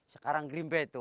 sekarang grimbe itu